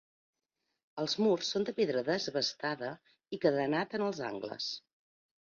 Els murs són de pedra desbastada i cadenat en els angles.